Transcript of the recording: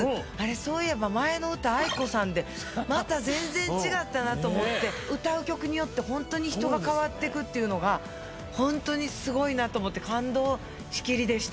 そういえば前の歌ａｉｋｏさんでまた全然違ったなと思って歌う曲によってホントに人が変わってくっていうのがホントにすごいなと思って感動しきりでした。